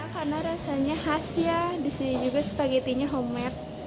karena rasanya khas ya disini juga spagettinya homemade